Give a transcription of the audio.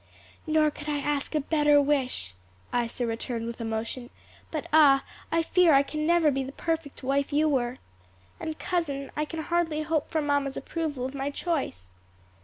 "Nor could I ask a better wish," Isa returned with emotion; "but ah! I fear I can never be the perfect wife you were! And, cousin, I can hardly hope for mamma's approval of my choice."